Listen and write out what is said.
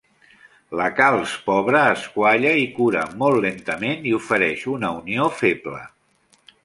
La calç pobra es qualla i cura molt lentament i ofereix una unió feble.